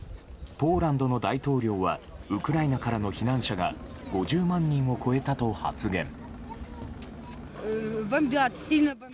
ポーランドの大統領はウクライナからの避難者が５０万人を超えたと発言。